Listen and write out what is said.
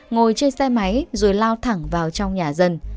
ngồi trên xe máy rồi lao thẳng vào trong nhà dân